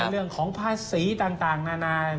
เรื่องของภาษีต่างนานา